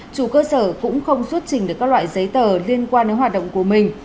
chủ cơ sở cũng không xuất trình được các loại giấy tờ liên quan đến hoạt động của mình